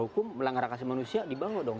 hukum melanggar akasih manusia dibawa dong